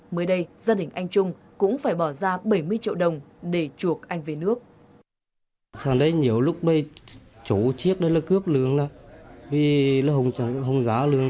mới đây gia đình anh trung cũng phải bỏ ra bảy mươi triệu đồng